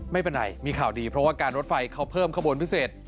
ไม่เป็นไรมีข่าวดีเพราะว่าการรถไฟเขาเพิ่มขบวนพิเศษ